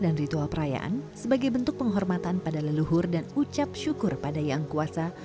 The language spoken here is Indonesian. dan ritual perayaan sebagai bentuk penghormatan pada leluhur dan ucap syukur pada yang kuasa